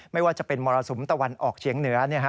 ไม่ว่าจะเป็นมรสุมตะวันออกเฉียงเหนือ